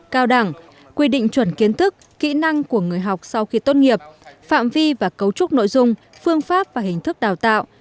cao đẳng quy định chuẩn kiến thức kỹ năng của người học sau khi tốt nghiệp phạm vi và cấu trúc nội dung phương pháp và hình thức đào tạo